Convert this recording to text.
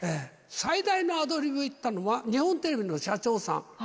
最大のアドリブ言ったのは、日本テレビの社長さん。